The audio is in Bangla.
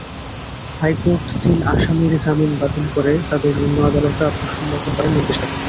হাইকোর্ট তিন আসামির জামিন বাতিল করে তাঁদের নিম্ন আদালতে আত্মসমর্পণ করার নির্দেশ দেন।